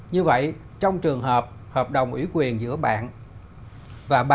như vậy trong trường hợp hợp đồng ủy quyền giữa bạn và bạn